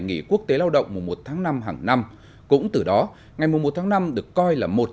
nghỉ quốc tế lao động mùa một tháng năm hàng năm cũng từ đó ngày mùa một tháng năm được coi là một